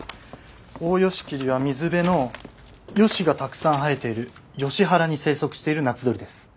オオヨシキリは水辺のヨシがたくさん生えているヨシ原に生息している夏鳥です。